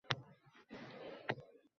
Onaning elkalari uzoq silkindi